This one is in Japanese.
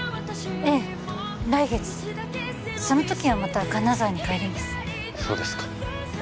ええ来月その時はまた金沢に帰りますそうですか